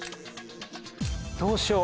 どうしよう。